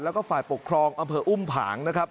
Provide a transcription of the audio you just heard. แล้วก็ฝ่ายปกครองอำเภออุ้มผางนะครับ